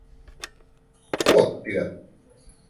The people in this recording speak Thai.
โคตรเดือด